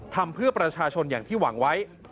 ทำเพื่อประชาชนอย่างที่หวังไว้